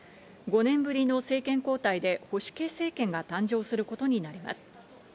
５年ぶりの政権交代で保守系政権が誕生することになります。